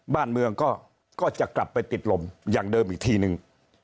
บ้านเมืองก็จะกลับไปติดลมอย่างเดิมอีกทีนึง